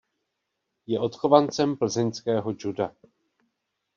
Je odchovancem plzeňského juda.